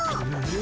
え？